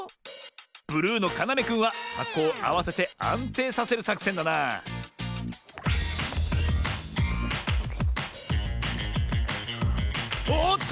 ブルーのかなめくんははこをあわせてあんていさせるさくせんだなおおっと！